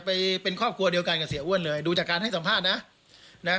ไปเป็นครอบครัวเดียวกันกับเสียอ้วนเลยดูจากการให้สัมภาษณ์นะนะฮะ